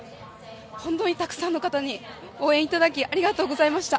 本当にたくさんの方に応援いただきありがとうございました。